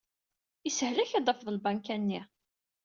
Ishel-ak ad d-tafeḍ lbanka-nni.